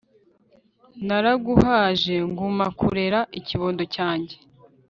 naraguhaje ngumya kurera ikibondo cyanjye